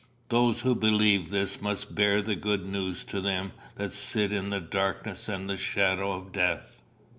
Those who believe this must bear the good news to them that sit in darkness and the shadow of death.